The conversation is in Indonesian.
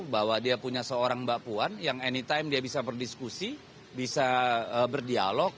bahwa dia punya seorang mbak puan yang anytime dia bisa berdiskusi bisa berdialog